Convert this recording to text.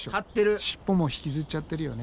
尻尾も引きずっちゃってるよね。